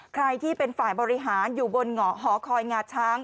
ใครที่เป็นฝ่ายบริหารอยู่บนเหงาะหอคอยงาช้าง